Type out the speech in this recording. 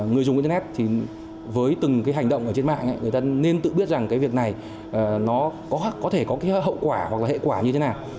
người dùng internet thì với từng cái hành động ở trên mạng người ta nên tự biết rằng cái việc này nó có thể có cái hậu quả hoặc là hệ quả như thế nào